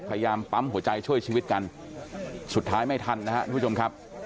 พยายามปั๊มหัวใจช่วยชีวิตกันสุดท้ายไม่ทันนะครับทุกผู้ชมครับ